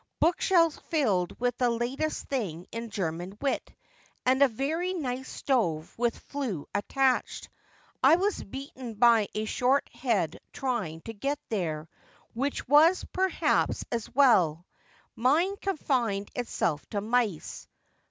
Bookshelves filled with the latest thing in German wit, and a very nice stove with flue attached. I was beaten by a short head trying to get there, which was, perhaps, as well. Mine confined itself to mice.